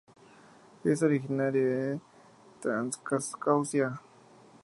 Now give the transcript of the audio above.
Es originaria de Transcaucasia.